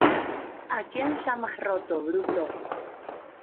¿ A quién llamas roto, bruto?